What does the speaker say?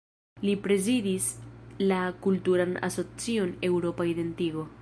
Li prezidis la kulturan asocion Eŭropa Identigo.